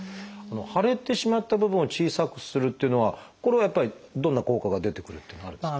腫れてしまった部分を小さくするっていうのはこれはやっぱりどんな効果が出てくるっていうのはあるんですか？